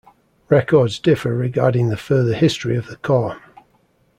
Records differ regarding the further history of the corps.